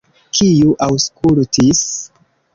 Kiu aŭskultis?